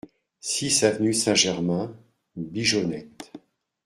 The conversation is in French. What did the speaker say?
six avenue Saint-Germain Bigeonnette